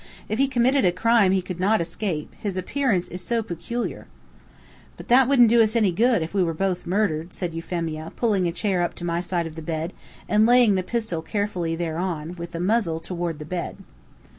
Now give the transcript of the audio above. "If he committed a crime he could not escape, his appearance is so peculiar." "But that wouldn't do us any good, if we were both murdered," said Euphemia, pulling a chair up to my side of the bed, and laying the pistol carefully thereon, with the muzzle toward the bed.